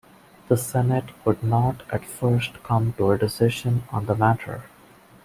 The senate could not at first come to a decision on the matter.